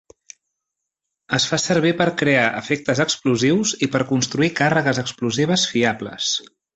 Es fa servir per crear efectes explosius i per construir càrregues explosives fiables.